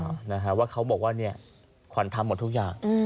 พูดหรือเปล่านะฮะว่าเขาบอกว่าเนี่ยขวัญทำหมดทุกอย่าง